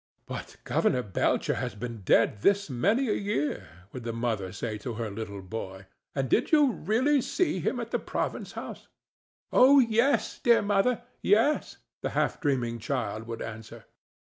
"But Governor Belcher has been dead this many a year," would the mother say to her little boy. "And did you really see him at the province house?"—"Oh yes, dear mother—yes!" the half dreaming child would answer.